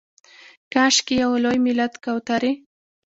کاشکي یو لوی ملت کوترې